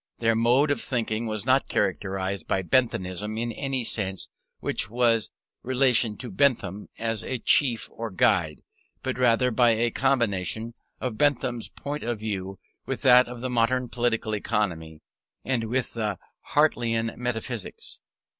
Their mode of thinking was not characterized by Benthamism in any sense which has relation to Bentham as a chief or guide, but rather by a combination of Bentham's point of view with that of the modern political economy, and with the Hartleian metaphysics.